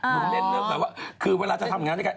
เล่นเรื่องแบบว่าคือเวลาจะทำงานด้วยกัน